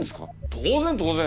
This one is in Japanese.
当然当然！